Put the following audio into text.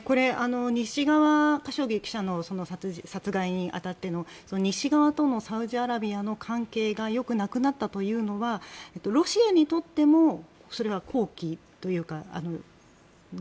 カショギ記者の殺害にあたっての西側とのサウジアラビアの関係が良くなくなったというのはロシアにとっても好機というか。